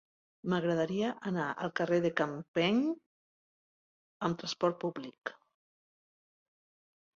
M'agradaria anar al carrer de Campeny amb trasport públic.